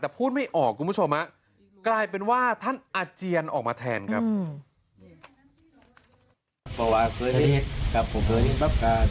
แต่พูดไม่ออกคุณผู้ชมกลายเป็นว่าท่านอาเจียนออกมาแทนครับ